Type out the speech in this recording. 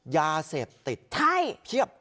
ยาเสพติดเพียบ